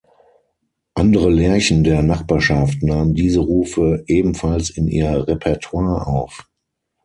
Andere Lerchen der Nachbarschaft nahmen diese Rufe ebenfalls in ihr Repertoire auf.